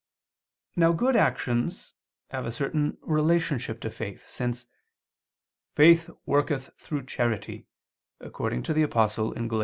Now good actions have a certain relationship to faith: since "faith worketh through charity," according to the Apostle (Gal.